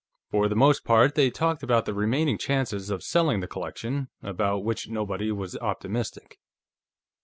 For the most part, they talked about the remaining chances of selling the collection, about which nobody was optimistic.